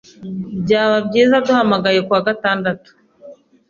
Byaba byiza uduhamagaye kuwa gatandatu.